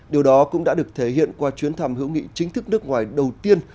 điều đó cũng đã được thể hiện qua chuyến thăm hữu nghị chính thức nước ngoài đầu tiên